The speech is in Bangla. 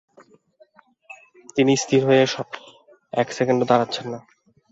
তিনি স্থির হয়ে এক সেকেন্ডও দাঁড়াচ্ছেন না।